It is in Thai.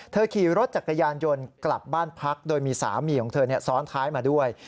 ขี่รถจักรยานยนต์กลับบ้านพักโดยมีสามีของเธอซ้อนท้ายมาด้วย